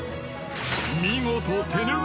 ［見事］